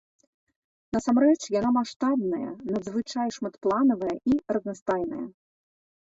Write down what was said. Насамрэч яна маштабная, надзвычай шматпланавая і разнастайная.